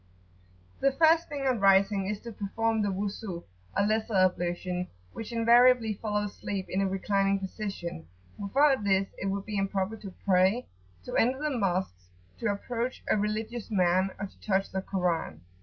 The first thing on rising is to perform the Wuzu, or lesser ablution, which invariably follows sleep in a reclining position; without this it would be improper to pray, to enter the Mosques, to approach a religious man, or to touch the Koran.